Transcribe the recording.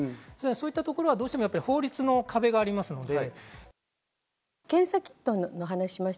そういったところはどうしても、法律の壁がありますので。